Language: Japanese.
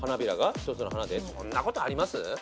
そんなことあります？